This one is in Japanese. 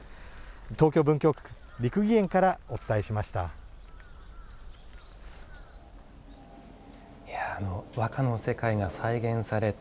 東京・文京区の六義園からお伝えしました。